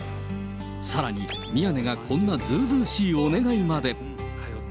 さらに、宮根がこんなずうずうしいお願いまで。